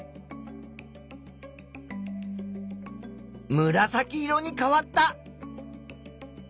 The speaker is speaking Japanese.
むらさき色に変わった。